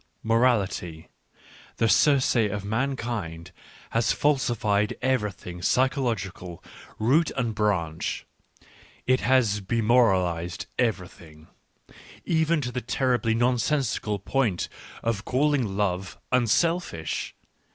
... Morality, the Circe of mankind, has falsified everything psychological, root and branch — it has bemoralised everything, even to the terribly nonsensical point of callingiove "unselfish."